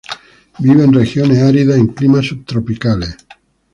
Vive en regiones áridas en climas subtropicales.